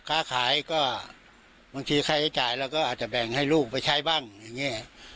ค้าขายก็บางทีค่าใช้จ่ายเราก็อาจจะแบ่งให้ลูกไปใช้บ้างอย่างนี้